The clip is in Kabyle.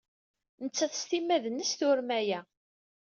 Nettat s timmad-nnes turem aya.